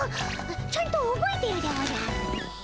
ちゃんとおぼえているでおじゃる。